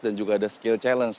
dan juga ada skill challenge